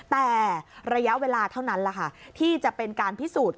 แต่ระยะเวลาเท่านั้นแหละค่ะที่จะเป็นการพิสูจน์